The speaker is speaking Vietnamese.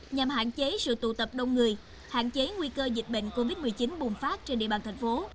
nhằm hạn chế sự tụ tập đông người hạn chế nguy cơ dịch bệnh covid một mươi chín bùng phát trên địa bàn thành phố